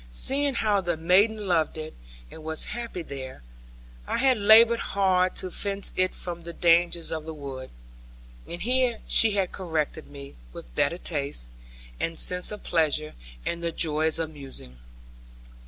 Seeing how the maiden loved it, and was happy there, I had laboured hard to fence it from the dangers of the wood. And here she had corrected me, with better taste, and sense of pleasure, and the joys of musing.